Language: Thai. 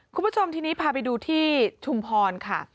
คุณผู้ชมทีนี้พาไปดูที่ชุมพรค่ะ